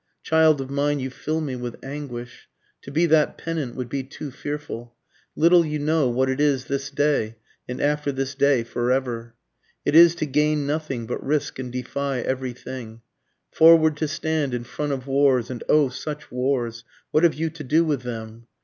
_ Child of mine you fill me with anguish, To be that pennant would be too fearful, Little you know what it is this day, and after this day, forever, It is to gain nothing, but risk and defy every thing, Forward to stand in front of wars and O, such wars! what have you to do with them?